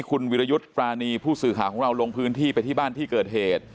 คุณวิรยุทธ์ปรานีผู้สื่อข่าวของเราลงพื้นที่ไปที่บ้านที่เกิดเหตุ